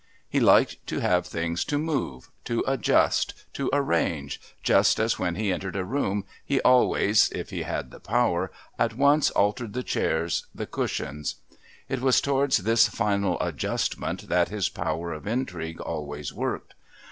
He liked to have things to move, to adjust, to arrange, just as when he entered a room he always, if he had the power, at once altered the chairs, the cushions. It was towards this final adjustment that his power of intrigue always worked.